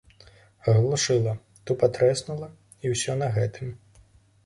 Аглушыла, тупа трэснула, і ўсё на гэтым.